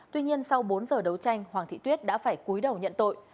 tuy nhiên sau bốn giờ đấu tranh hoàng thị tuyết đã phải cuối đầu nhận tội